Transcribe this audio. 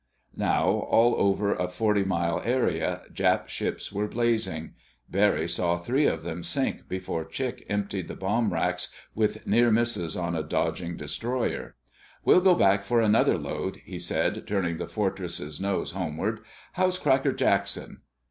Now, all over a forty mile area, Jap ships were blazing. Barry saw three of them sink before Chick emptied the bomb racks with near misses on a dodging destroyer. "We'll go back for another load," he said, turning the Fortress's nose homeward. "How's Cracker Jackson?"